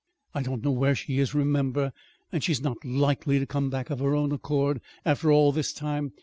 I don't know where she is, remember; and she's not likely to come back of her own accord, after all this time.